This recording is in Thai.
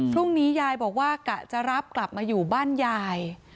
พรุ่งนี้ยายบอกว่ากะจะรับกลับมาอยู่บ้านยาย